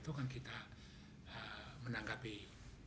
itu kan kita menanggapi